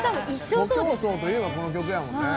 徒競走といえばこの曲やもんね。